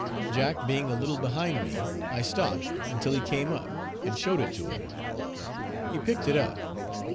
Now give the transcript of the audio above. Jack being a little behind me I stopped until he camp up, and showed it to him. He picked it up.